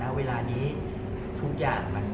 หรือเป็นอะไรที่คุณต้องการให้ดู